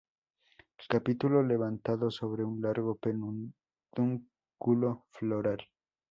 El capítulo levantado sobre un largo pedúnculo floral.